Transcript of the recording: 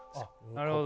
なるほど。